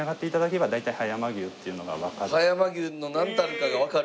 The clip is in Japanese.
葉山牛のなんたるかがわかる。